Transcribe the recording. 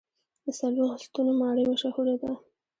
د څلوېښت ستنو ماڼۍ مشهوره ده.